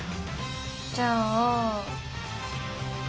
じゃあ。